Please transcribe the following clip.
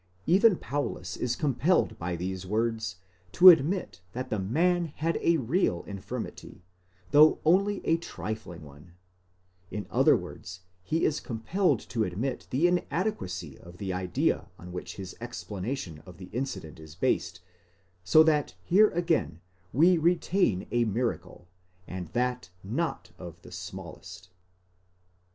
Even Paulus is compelled by these words to admit that the man had a real infirmity, though only a trifling one :—in other words he is compelled to admit the inadequacy of the idea on which his explanation of the incident is based, so that here again we retain a miracle, and that not of the smallest.